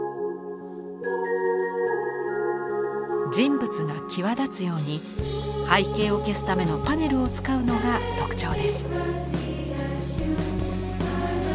人物が際立つように背景を消すためのパネルを使うのが特徴です。